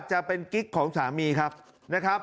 จะเป็นกิ๊กของสามีครับ